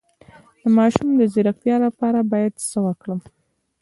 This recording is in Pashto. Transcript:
د ماشوم د ځیرکتیا لپاره باید څه وکړم؟